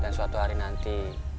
dan suatu hari nanti